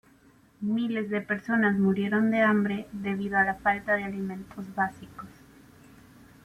Miles de personas murieron de hambre debido a la falta de alimentos básicos.